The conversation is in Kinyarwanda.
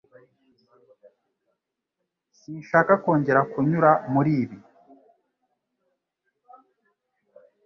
Sinshaka kongera kunyura muri ibi